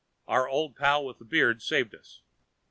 Our old pal with the beard saved us.